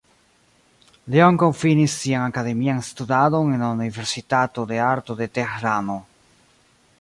Li ankaŭ finis sian akademian studadon en la universitato de arto de Tehrano.